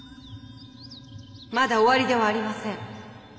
まだ終わりではありません。